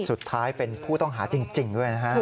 สุดท้ายเป็นผู้ต้องหาจริงด้วยนะฮะ